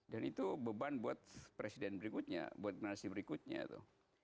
dan itu beban buat presiden berikutnya buat generasi berikutnya tuh